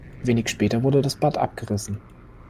Wenig später wurde das Bad abgerissen.